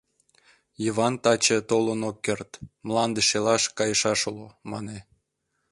Йыван таче толын ок керт: «Мланде шелаш кайышаш уло», — мане.